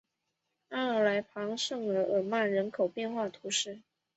阿尔来旁圣日耳曼人口变化图示